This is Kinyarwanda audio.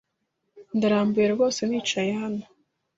Ndarambiwe rwose nicaye hano.